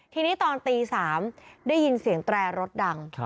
ทีนี้ตอนตี๓ได้ยินเสียงแตรรถดัง